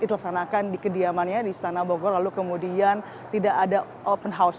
dilaksanakan di kediamannya di istana bogor lalu kemudian tidak ada open house